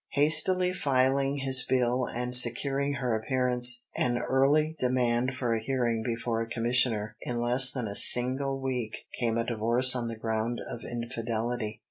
Hastily filing his bill and securing her appearance, an early demand for a hearing before a commissioner, in less than a single week came a divorce on the ground of infidelity.